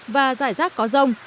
và giải rác có rông